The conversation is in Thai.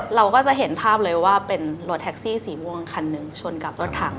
เราก็จะเห็นภาพเลยว่าเป็นรถแท็กซี่สีม่วงคันหนึ่งชนกับรถถัง